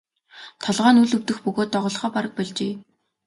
Толгой нь үл өвдөх бөгөөд доголохоо бараг больжээ.